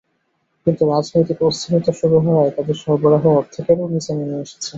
কিন্তু রাজনৈতিক অস্থিরতা শুরু হওয়ায় তাদের সরবরাহ অর্ধেকেরও নিচে নেমে এসেছে।